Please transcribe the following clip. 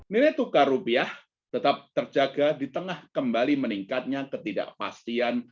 nilai tukar rupiah tetap terjaga di tengah kembali meningkatnya ketidakpastian